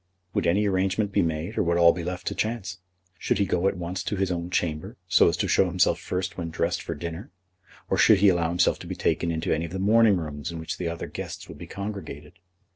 Would any arrangement be made, or would all be left to chance? Should he go at once to his own chamber, so as to show himself first when dressed for dinner, or should he allow himself to be taken into any of the morning rooms in which the other guests would be congregated?